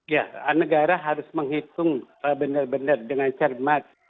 ya negara harus menghitung benar benar dengan cermat